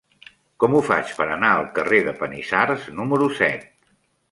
Com ho faig per anar al carrer de Panissars número set?